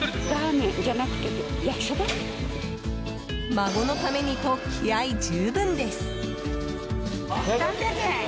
孫のためにと気合い十分です。